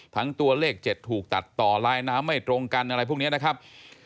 ตัวเลข๗ถูกตัดต่อลายน้ำไม่ตรงกันอะไรพวกนี้นะครับ